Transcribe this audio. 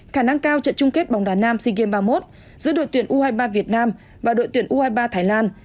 khả năng cao trận chung kết bóng đá nam sea games ba mươi một giữa đội tuyển u hai mươi ba việt nam và đội tuyển u hai mươi ba thái lan